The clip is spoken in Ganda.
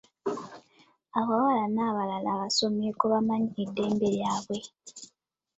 Abawala n'abalala abasomyeko bamanyi eddembe lyabwe.